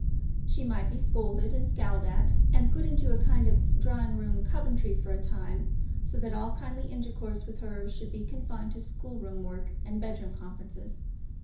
She might be scolded, and scowled at, and put into a kind of drawing room Coventry for a time, so that all kindly intercourse with her should be confined to school room work and bed room conferences.